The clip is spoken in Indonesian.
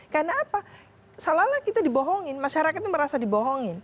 karena apa salah salah kita dibohongin masyarakat itu merasa dibohongin